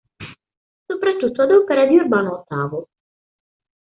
Soprattutto ad opera di Urbano VIII.